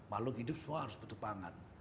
makhluk hidup semua harus butuh pangan